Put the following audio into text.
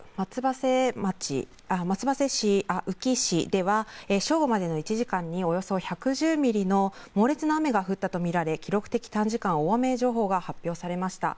松伏町、宇城市では正午までの１時間でおよそ１１０ミリの猛烈な雨が降ったと見られ記録的短時間大雨情報が発表されました。